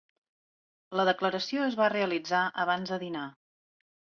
La declaració es va realitzar abans de dinar.